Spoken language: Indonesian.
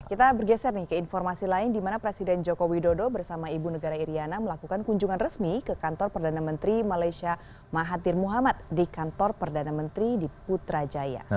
kita bergeser nih ke informasi lain di mana presiden joko widodo bersama ibu negara iryana melakukan kunjungan resmi ke kantor perdana menteri malaysia mahathir muhammad di kantor perdana menteri di putrajaya